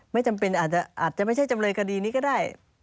ไม่จำเป็นอาจจะไม่ใช่จำเลยคดีนี้ก็ได้